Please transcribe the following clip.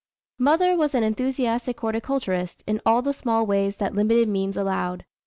"Mother was an enthusiastic horticulturist in all the small ways that limited means allowed.